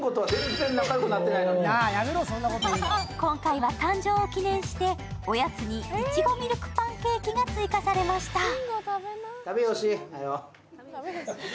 今回は誕生を記念して、おやつにいちごミルクパンケーキが追加されました。